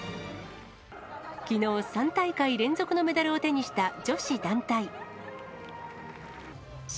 きのう、３大会連続のメダルを手にした女子団体。